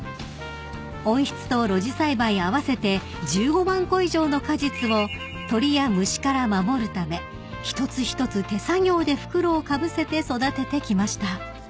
［温室と露地栽培合わせて１５万個以上の果実を鳥や虫から守るため一つ一つ手作業で袋をかぶせて育ててきました］